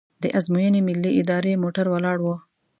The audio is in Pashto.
د ازموینې ملي ادارې موټر ولاړ و.